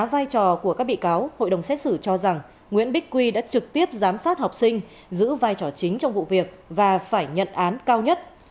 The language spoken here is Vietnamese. với các bị cáo hội đồng xét xử cho rằng nguyễn bích quy đã trực tiếp giám sát học sinh giữ vai trò chính trong vụ việc và phải nhận án cao nhất